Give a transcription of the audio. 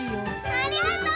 ありがとう！